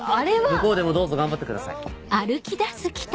向こうでもどうぞ頑張ってください。